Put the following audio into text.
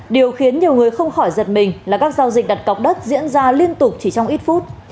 điều khiến nhiều người không khỏi giật mình là các giao dịch đặt cọc đất diễn ra liên tục chỉ trong ít phút